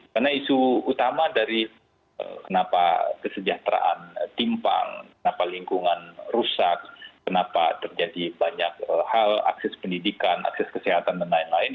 karena isu utama dari kenapa kesejahteraan timpang kenapa lingkungan rusak kenapa terjadi banyak hal akses pendidikan akses kesehatan dan lain lain